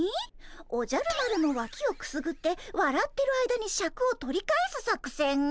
「おじゃる丸のわきをくすぐってわらってる間にシャクを取り返す作戦」？